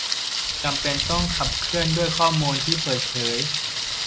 จำเป็นต้องขับเคลื่อนด้วยข้อมูลที่เปิดเผย